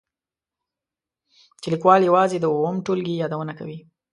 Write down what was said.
چې لیکوال یوازې د اووم ټولګي یادونه کوي.